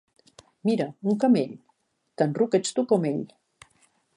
Mira, un camell! —Tan ruc ets tu com ell!